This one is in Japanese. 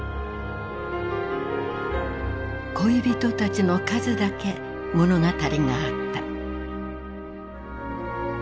恋人たちの数だけ物語があった。